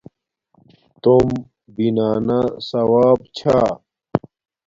توم بنانا صواپ چھا